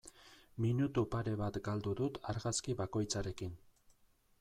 Minutu pare bat galdu dut argazki bakoitzarekin.